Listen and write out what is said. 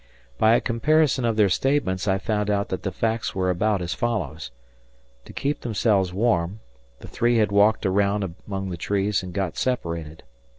By a comparison of their statements, I found out that the facts were about as follows. To keep themselves warm, the three had walked around among the trees and got separated.